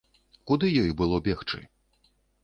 Куды ёй было бегчы.